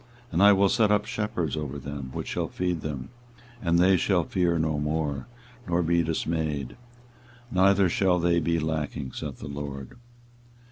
24:023:004 And I will set up shepherds over them which shall feed them: and they shall fear no more, nor be dismayed, neither shall they be lacking, saith the LORD.